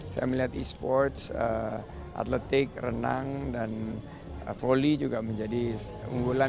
saya melihat e sports atletik renang dan volley juga menjadi unggulan